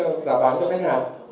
trong việc tính giá bán cho khách hàng